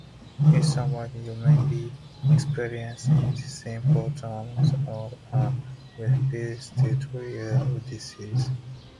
It sounds like you may be experiencing symptoms of a respiratory disease.